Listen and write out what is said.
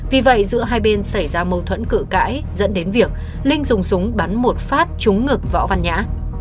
vì vậy giữa hai bên xảy ra mâu thuẫn cự cãi dẫn đến việc linh dùng súng bắn một phát trúng ngực võ văn nhã